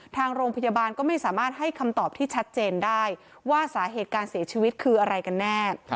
ทางโรงพยาบาลก็ไม่สามารถให้คำตอบที่ชัดเจนได้ว่าสาเหตุการเสียชีวิตคืออะไรกันแน่